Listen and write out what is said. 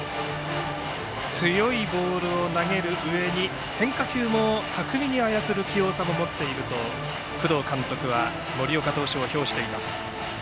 強いボールを投げるうえに変化球も巧みに操る器用さも持っていると工藤監督は森岡投手を評しています。